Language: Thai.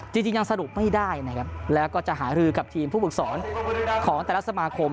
จริงยังสรุปไม่ได้นะครับแล้วก็จะหารือกับทีมผู้ฝึกสอนของแต่ละสมาคม